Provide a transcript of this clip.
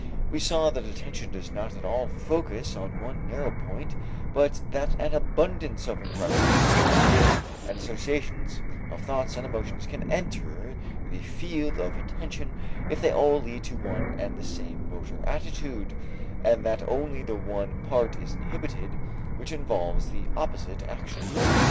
We saw that attention does not at all focus on one narrow point, but that an abundance of impressions, of ideas and associations, of thoughts and emotions can enter the field of attention, if they all lead to one and the same motor attitude, and that only the one part is inhibited which involves the opposite action.